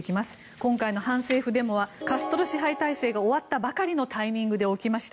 今回の反政府デモはカストロ支配体制が終わったばかりのタイミングで起きました。